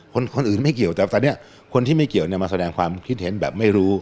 คนอื่นไม่เกี่ยวแต่ตอนนี้คนที่ไม่เกี่ยวเนี่ยมาแสดงความคิดเห็นแบบไม่รู้